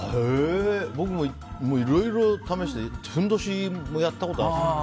僕もいろいろ試してふんどしもやったことあるんですけど。